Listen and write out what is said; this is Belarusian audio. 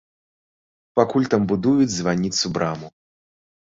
Пакуль там будуюць званніцу-браму.